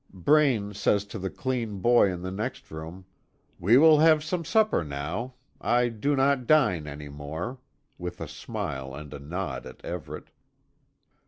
Braine says to the clean boy in the next room: "We will have some supper now I do not dine any more," with a smile and a nod at Everet.